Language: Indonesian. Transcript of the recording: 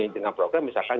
dengan program misalkan